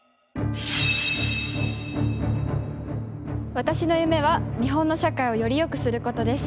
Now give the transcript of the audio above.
私の夢は日本の社会をより良くすることです。